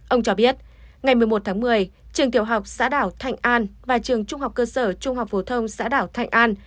ông cho biết ngày một mươi một tháng một mươi trường tiểu học xã đảo thạnh an và trường trung học cơ sở trung học phổ thông xã đảo thạnh an